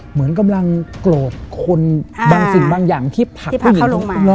เหมือนกำลังโกรธคนบางสิ่งบางอย่างที่ผลักผู้หญิง